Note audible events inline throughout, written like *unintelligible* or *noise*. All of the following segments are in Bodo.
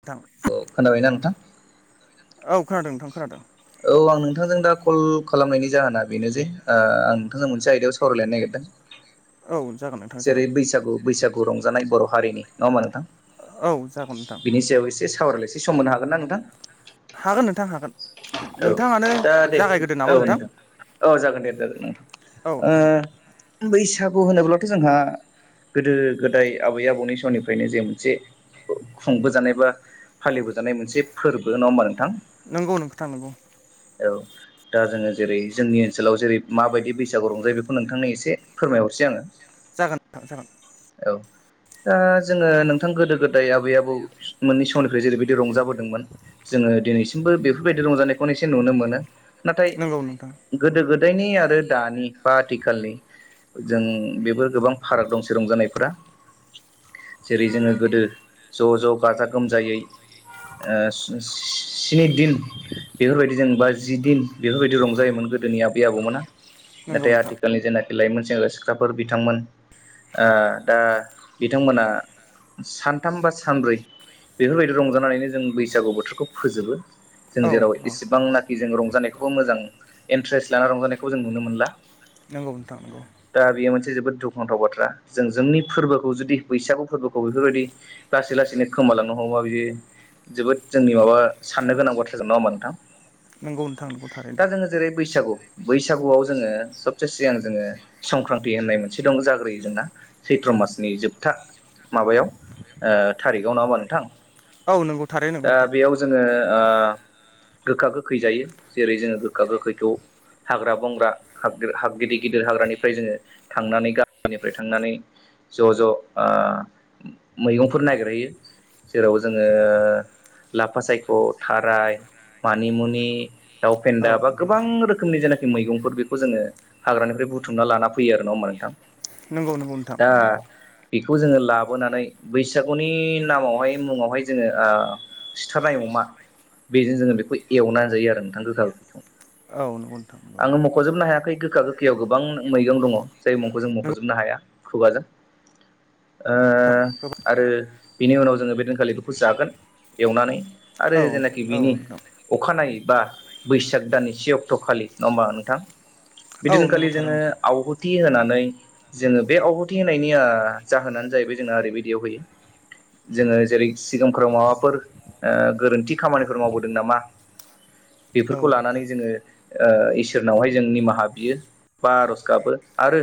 नोंथां औ खोनाबायना नोंथां? औ खोनादों नोंथां खोनादों औ आं नोंथांजों दा कल खालामनायनि जाहोना बेनो जे ओ-आं नोंथांजों मोनसे आयदायाव सावरायलायनो नागिरदो औ जागोन नोंथां जागोन जेरै बैसागु बैसागु रंजानाय बर हारिनि नङा होनबा नोंथां? औ जागोन नोंथां। बिनि सायाव एसे सावरायलायसे सम मोननो हागोन ना नोंथां? हागोन नोंथां हागोन औ नोंथाङानो दा दे जागायग्रोदो नामा औ नोंथां औ जागोन दे जागोन नथां। औ जागोन ओ-बैसागु होनोब्लाथ जोंहा गोदो गोदाय आबै आबौनि समनिफ्रायनो जे मोनसे खुंबोजानाय बा फालिबोजानाय मोनसे फोरबो नङा होमा नोंथां? नंगौ नोंथां नंगौ। औ। दा जोङो जेरै जोंनि ओनसोलाव जेरै माबायदि बैसागु रंजायो बेखौ नोंथांनो एसे फोरमायहरसै आङो जागोन नोंथां जागोन। औ दा जोङो नोंथां गोदो गोदाय आबै आबौ मोननै समनिफ्राय जेरैबायदि रंजाबोदोंमोन जोङो। ओ दिनैसिमबो बेफोरबायदि रंजानाय। हनैसो नुनो मोनो नाथाय नंगौ नोंथां गोदो गोदायनि आरो दानि। बा आथिखालनि जों बेफोर गोबां फाराग दंसै रंजानाय फोरा। जेरै जोङो गोदो ज ज गाजा गोमजायै। ओ स्नि दिन। बेफोरबायदि जेनेबा जि दिन बेफोरबायदि रंजायोमोन गोदोनि आबै आबौमोना नंगौ नाथाय नोंथां आथिखालनि जेना। लाइमोन सेंग्रा सिख्लाफोर बिथांमोन ओ-दा बिथांमोना। सानथाम बा सानब्रै बेफोरबायदि रंजानानैनो जों बैसागु बोथोरखौ फोजोबो। औ जों जेराव इसेबांनाखि जों रंजानायखौबो मोजां इन्ट्रेस्ट लानानै रंजानायखौ जों नुनो मोनला। नंगौ नोंथां नंगौ। दा बेयो मोनसे जोबोद दुखुनांथाव बाथ्रा जों जोंनि फोरबोखौ जुदि बैसागु फोरबोखौ बेफोरबायदि लासै लासैनो खम। हबालांनो हमबा बिदि जोबोद जोंनि माबा साननो गोनां बाथ्राजों नङा उमबा नोंथां। नंगौ नोंथां नंगौ दा थारैनो जोङो जेरै बैसागु। बैसागुआव जोङो सबसे सिगां जोङो संक्रान्ति होननाय मोनसे दं जाग्रोयो जोंना सैत्र। मासनि जोबथा माबायाव ओ-थारिकाव नाङा होमाबा नोंथां। औ नंगौ थारैनो दा बेयाव जोङो ओ। गोखा गोखै जायो जेरै जोङो गोखा गोखैखौ। हाग्रा बंग्रा हाब हाब गिदिर गिदिर हाग्रानिफ्राय जोङो थांनानै गामिनिफ्राय थांनानै। ज ज ओ-मैगंफोर नागिर हैयो। जेराव जोङो लाफा सायख थाराय। मानिमुनि दाउ फेन्दा बा गोबां रोखोमनि जेन। बे मैगंफोर बेखौ जोङो हाग्रानिफ्राय बुथुमना लाना फैयो आरो होनबा नोंथां। नंगौ नंगौ नोंथां। दा बेखौ जोङो लाबोनानै बैसागुनि नामावहाय मुङावहाय जोङो ओ- सिथारनाय एवो। मा बेजोङो बेखौ एवनानै जायो आरो नोंथां गोखा गोखै। औ नंगौ नोंथां। नंगौ आङो मखजोबनो हायाखै गोखा गोखैयाव गोबां मैगं दङ जाय मुंखौ जों नंगौ मखजोबनो हाया खुगाजों। नोंथां गोबां ओ-आरो बिनि उनाव जोङो बे दिनखालि बेखौ जागोन। एवनानै आरो औ जेनाखि औ बिनि। नोंथां अखानायै बा बैसाग दाननि से अक्ट'खालि नङा हबा नोंथां। औ नंगौ बिदिनोखालि जोङो थारैनो नोंथां आवहुथि होनानै। ओमफाय जोङो बे आवहुथि होनायनि ओ जाहोनानो जाहैबाय जोंना ओरैबायदियाव होयो। जोङो जेरै सिगांफोराव माबाफोर ओ गोरोन्थि खामानिफोर मावबोदों नामा। औ बेफोरखौ नोंथां लानानै जोङो ओ इसोरनावहाय जों निमाहा बियो। बा आर'ज गाबो आरो।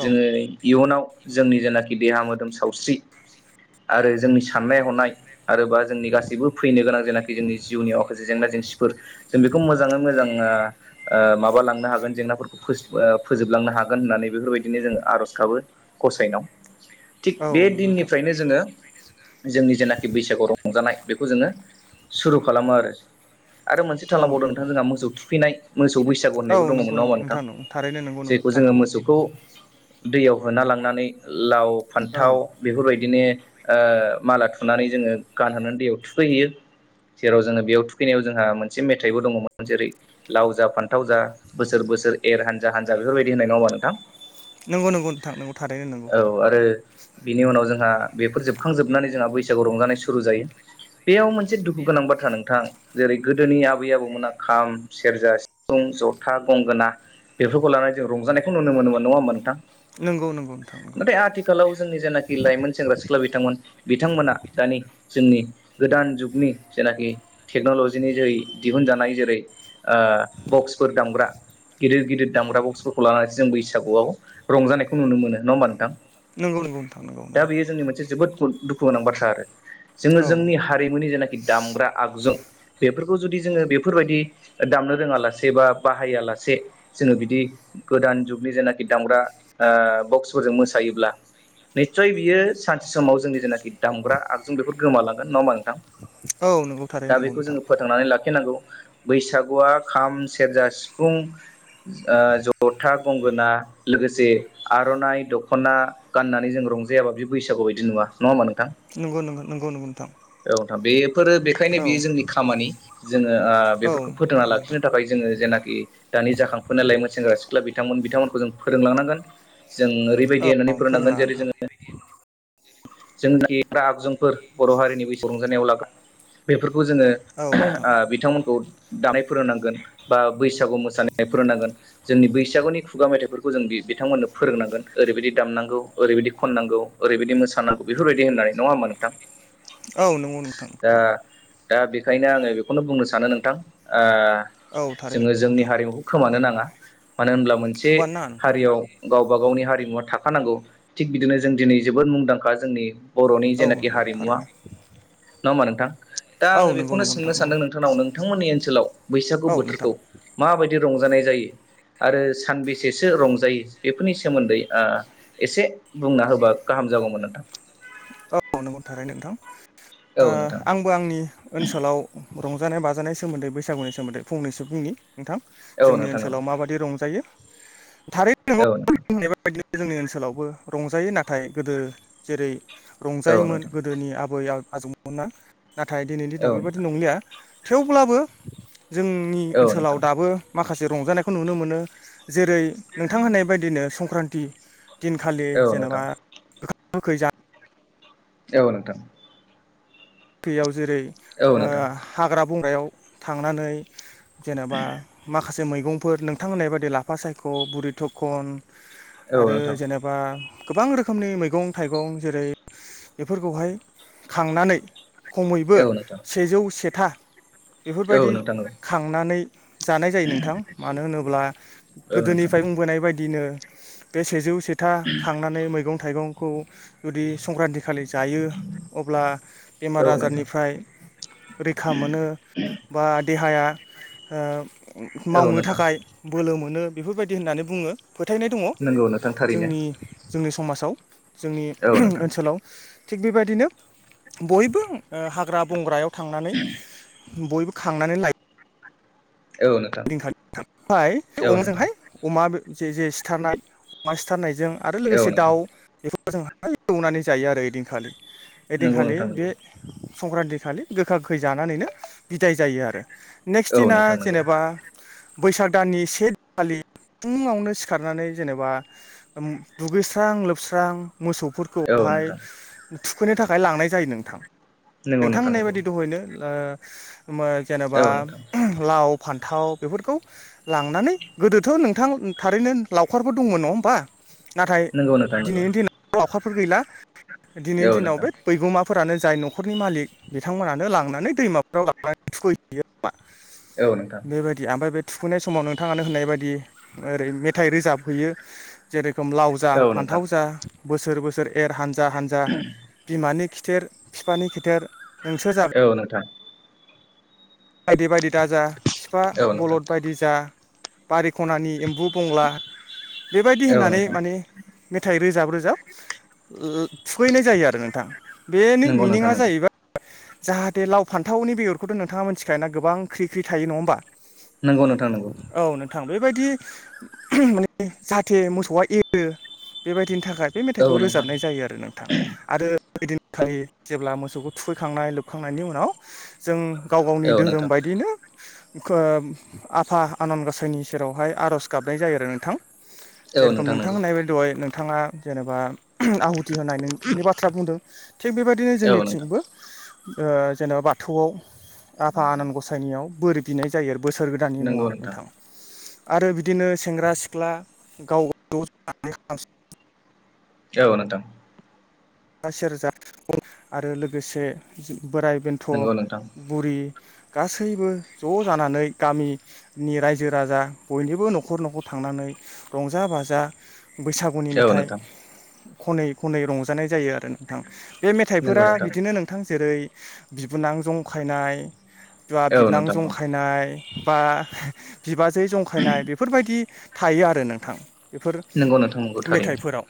औ जोङो इयुनाव जोंनि जेनाखि देहा मोदोम सावस्रि। आरो जोंनि साननाय हनाय आरो बा जोंनि गासैबो फैनो गोनां जेनाखि जोंनि जिउनि माखासे। जेंना जेंसिफोर जों बेखौ मोजाङै मोजां औ ओ ओ माबा लांनो हागोन जेंनाफोरखौ फोजोब ओ। फोजोबलांनो हागोन होननानै बेफोरबायदिनो जों आर'ज गाबो गसायनाव। थिग औ बे नंगौ नोंथां दिननिफ्रायनो जोङो। जोंनि जेनाखि बैसागुआव रंजानाय बेखौ जोङो सुरु खालामो आरो। आरो मोनसे औ थालां बावदों नंगौ नोंथां जोंहा मोसौ थुखैनाय मोसौ बैसो। बैसागु औ होननायबो दङमोन नंगौ नाङा नंगौ उमबा नोंथां नंगौ थारैनो नंगौ जायखौ नंथारगौ जोङो मोसौखौ। दैयाव होना लांनानै लाव औ फान्थाव बेफोरबायदिनो। ओ माला थुनानै जोङो गानहोनानै दैयाव थुखैहैयो जेराव जोङो बेयाव थुखयो। फैनायाव जोंहा मोनसे मेथाइबो दङमोन जेरै लाव जा फान्थाव जा बोसोर बोसोर एर हानजा हानजा। बेफोरबायदि होननाय नङा ओनबा नोंथां। नंगौ नंगौ नोंथां थारैनो नोंगौ। औ आरो बिनि उनाव जोंहा बेफोर जोबखांजोबनानै जोंहा बैसागु रंजानाय सुरु जायो बेयाव मोनसे दुखु गोनां बाथ्रा नोंथां जेरै गोदोनि आबै आबौमोना खाम सेरजा सिफुं जथा गंगोना बेफोरखौ लानानै जों रंजानायखौ नुनो मोनोन नङा होमा नोंथां नंगौ नंगौ नोंथां नंगौ नाथाय आथिखालाव जोंनि जेनाखि लाइमोन सेंग्रा सि सिख्ला बिथांमोन बिथांमोना दानि जोंनि गोदान जुगनि जेनाखि टेक्न'लजिनि जै दिहुनजानाय जेरै ओ बक्सफोर दामग्रा गिदिर गिदिर दामग्रा बक्सफोरखौ लानानैसो जों बैसागुआव रंजानायखौ नुनो मोनो नङा होमबा नोंथां नंगौ नंगौ नोंथां नंगौ दा नंगौ बेयो जोंनि मोनसे जोबोद। दुखु गोनां बाथ्रा आरो जोङो औ जोंनि हारिमुनि जेनाखि दामग्रा आगजु बेफोरखौ जुदि जोङो बेफोरबायदि दामनो रोङा लासे बा बाहायालासे जोङो बिदि गोदान जुगनि जेनाखि दामग्रा ओ बक्सफोरजों मोसायोब्ला निस्सय बियो सानसे समाव जोंनि जेनाखि दामग्रा आगजु बेफोर गोमालांगोन नङा होमा नोंथां। औ नंगौ। दा थारैनो नंगौ बेखौ नोंथां जोङो फोथांनानै लाखिनांगौ बैसागुआ खाम सेरजा सिफुं जा जथा गंगोना लोगोसे आर'नाइ दख'ना गाननानै जों रंजायाबा बि बैसागु बायदि नुआ नङा होमबा नों थ नंगौ नंगौ नंगौ नंगौ नोंथां औ नोंथां बेफोरो बेखायनो औ बे जोंनि खामानि जोङो औ बेफोरखौ फोथांना थारैनो नोंथां लाखिनो थाखाय जोङो जेनाखि उ दानि जाखांफुनाय लाइमोन सेंग्रा सिख्ला बिथांमोन बिथांमोनखौ जों फोरोंलांनांगोन जों ओरैबायदि औ दि होननानै फोरोंनांगोन फोरोंलाङा जेरै नोंथां जोङो। जोंनि राग जोंफोर बर' हारिनि बैसो रंजानायाव लागोन बेफोरखौ बे खौ जोङो औ नोंथां बिथांमोनखौ दानाय फोरोंनांगोन बा बैसागु मोसानाय फोरोंनांगोन जोंनि बैसागुनि खुगा मेथाइफोरखौ जों बिथांमोननो फोरोंनांगोन ओरैबायदि दामनांगौ ओरैबायदि खनांगौ ओरैबायदि मोसानांगौ बेफोरबायदि होननानै नङाबा बा नोंथां औ नंगौ नोंथां दा दा बेखायनो आङो बेखौनो बुंनो सानो नोंथां ओ औ थारैनो जोङो नंगौ जोंनि नोंथां हारिमुखौ खोमानो नाङा मानो होनब्ला मोनसे खोबानो नाङा नोंथां नंगौ हारियाव गावबा गावनि हारिमुवा थाखानांगौ थिग बिदिनो जों दिनै जोबोद मुंदांखा जोंनि बरनि औ जेनाकि नंगौ हारिमुवा थारैनो नङा होमबा नोंथां? दा औ आङो नंगौ बेखौनो नंगौ सोंनो नोंथां नंगौ सान्दों नोंथांनाव नों- नोंथांमोननि ओनसोलाव बैसागु औ नोंथां बोथोरखौ मा बायदि रंजानाय जायो? आरो सानबेसेसो रंजायो बेफोरनि सोमोन्दै ओ एसे बुंना होबा गाहाम- जागौमोन नोंथां। औ नंगौ थारै नों नोंथां औ नोंथां आंबो आंनि ओनसोलाव- रंजानाय बाजानाय सोमोन्दै बैसागुनि सोमोन्दै फंनैसो बुंनि नोंथां औ जोंनि नोंथां ओनसोलाव माबायदि रंजायो औ नोंथां *unintelligible* जोंनि ओनसोलावबो रंजायो नाथाय गोदो जेरै औ रंजायोमोन नोंथां गोदोनि आबै आजौमोनना नाथाय दिनैनि औ दिनाव नोंथां बेबायाददि नंलिया थेवब्लाबो जोंनि औ ओनसोलाव नोंथां दाबो- माखासे रंजानायखौ नुनो मोनो जेरै नोंथां होननाय बायदिनो संक्रान्ति- दिनखालि औ नोंथां जेनेबा गोखा गोखै जा- औ नोंथां दैयाव जेरै औ ओ नोंथां हाग्रा बंग्रायाव थांनानै जेनेबा माखासे मैगंफोर नोंथां होननाय बायदि लाफा सायख औ बुरि थखन- औ आरो नोंथां जेनेबा गोबां रोखोमनि मैगं थाइगं जेरै- बेफोरखौहाय खांनानै खमैबो औ नोंथां सेजौ सेथा औ बेफोरबायदि नोंथां खांनानै- जानाय जायो नोंथां मानो होनोब्ला औ नोंथां गोदोनिफ्राय बुंबोनाय बायदिनो बे सेजौ सेथा खांनानै मैगं थाइगंखौ जुदि संक्रान्ति खालि जायो अब्ला बेमार औ नोंथां आजारनिफ्राय रैखा मोनो बा देहाया- ओ औ मावनो नोंथां थाखाय बोलो मोनो बेफोरबायदि होननानै बुङो। फोथायनाय दङ नंगौ नोंथां थारैनो जोंनि जोंनि समाजाव जोंनि औ नोंथां ओनसोलाव थिग बेबायदिनो बयबो ओ हाग्रा बंग्रायाव थांनानै- बयबो खांनानै लायो- औ नोंथां *unintelligible* ओमफ्राय बे औ अमा जोंहाय नोंथां अमा जे जे सिथारनाय अमा सिथारनाय- जों आरो औ लोगोसे नोंथां दाउ बेफोरखौ जों हाय एवनानै जायो आरो ओइदिनखालि। नंगौ ओइदिनखालि नोंथां नंगौ बे- संक्रान्ति खालि गोखा गोखै जानानैनो बिदाय जायो आरो नेक्स औ दिना नोंथां नंगौ जेनेबा- बैसाग दाननि से दि खालि- फुङावनो सिखारनानै जेनेबा उम दुगैस्रां-लोबस्रां औ मोसौफोरखौहाय नोंथां थुखैनो थाखाय लांनाय जायो नोंथां। नंगौ नोंथां होननाय नंगौ बायदि दहैनो ओ-ओ औ जेनेबा नोंथां लाव फान्थाव बेफोरखौ लांनानै गोदोथ नोंथां थारैनो लावखारफोर दंमोन नङा होमबा? नाथाय नंगौ नोंथां नंगौ दिनैनि दिनाव लावखाफोर गैला औ दिनैनि दिनाव नोंथां बे बैगुमा- फोरानो जाय नखरनि मालिक बिथांमोनानो लांनानै दैमाफोराव लांनानै थुखै हैयो आरोना। औ नोंथां ओमफाय बे थुखैनाय समाव नोंथाङानो होननाय बायदि ओरै मेथाइ रोजाब हैयो जेरै- रोखोम लाव जा औ नोंथां फान्थाव जा बोसोर बोसोर एर हानजा हानजा बिमानि खि- खिथेर बिफानि खिथेर- नोंसोर जागोन औ नोंथां बायदि बायदि दाजा बिफा औ नोंथां औ नोंथां बलद बायदि जा बारि खनानि एम्बु बंग्ला बेबायदि औ होननानै नोंथां माने- मेथाइ रोजाब रोजाब ओ थुखैनाय जायो आरो नोंथां। बेनि नंगौ नोंथां मिनिङा नंगौ जाहैबाय जाहाथे लाव फान्थावनि बेगरखौथ नोंथाङा मिथिख- दाना गोबां ख्रिख्रि थायो नङा होनबा? नोंगौ नोंथां नोंगौ थां बेबायदि माने जाहाथे मोसौआ एरो बेबायदिनो- नि थाखाय बे मेथाइखौ औ नोंथां रोजाबनाय जायो आरो नोंथां आरो। ओइदिनखालि जेब्ला मोसौखौ थुखैखांनाय लोबखांनायनि उनाव जों गाव गावनि औ धोरोम नोंथां बायदिनो खो आफा आनान गसायनि सेरावहाय आर'ज गाबनाय जायो आरो नोंथां। औ जेरोखोम नोंथां नंगौ होननाय बायदि दहाय नोंथाङा जेनेबा आहु थि होनायनि बाथ्रा बुंदों थिग बेबायदिनो औ नोंथां जोंनिथिंबो ओ जेनेबा बाथौआव आफा आनान गसायनियाव बोर बिनाय जायो आरो। बोसोर गोदाननि मुङाव नोंथां आरो बिदिनो सेंग्रा सिख्ला गाव गानानै औ नोंथां जथा सेरजा आरो लोगोसे बोराय बेन्थ' नंगौ नोंथां बुरि गासैबो ज' जानानै गामिनि रायजो राजा बयनिबो न'खर न'खर थां थांनानै रंजा बाजा बैसागुनि औ मेथाइ नोंथां खनै खनै रंजानाय जायो आरो नोंथां। बे नंगौ मेथाइफोरा नोंथां बिदिनो नोंथां जेरै बिबोनां जंखायनाय बा औ बिबोनां नोंथां औ जंखायनाय बा बिबाजै जंखायनाय बेफोरबायदि थायो आरो नोंथां। बेफोर नंगौ नोंथां नंगौ थारैनो मेथाइफोराव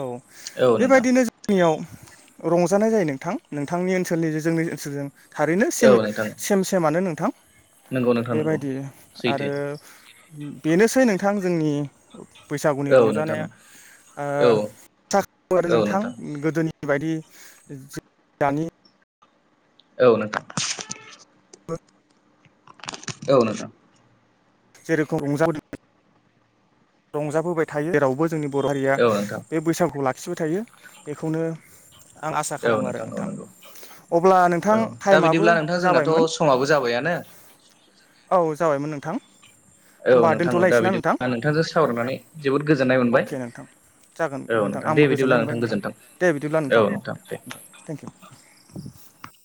औ औ नोंथां बेबायदिनो जोंनियाव रंजानाय जायो नोंथां नोंथांनि ओनसोलनि जों जोंनि ओनसोलजों थारैनो औ सेम नोंथां सेम सेमानो नोंथां। नंगौ नोंथां नंगौ बेबायदि सैथो आरो बेनोसै नोंथां जोंनि बैसागुनि औ नोंथां रंजानाया औ ओ *unintelligible* नोंथां गोदोनि बायदि दानि औ नोंथां औ नोंथां। जेरेखम रंजा रंजाबोबाय थायो जेरावबो जोंनि बर' हारिया बे बैसागुखौ लाख खिबो थायो बेखौनो आं आसा औ खालामो आरो औ नोंथां। नंगौ अब्ला नोंथां औ दा टाइमाबो बिदिब्ला नोंथां जोंनाथ' जाबायमोन। समाबो जाबायानो औ जाबायमोन नोंथां औ होमबा नोंथां दा दोनथ'लायसै ना बिदि नोंथां नोंथांजों सावरायनानै जोबोद गोजोननाय मोनबाय अके नोंथां जागोन औ नोंथां दे आंबो बिदिब्ला गोजोननाय मोनबाय नोंथां गोजोन्थों दे बिदिब्ला नोंथां औ दे नोंथां थेंक इउ *inaudible*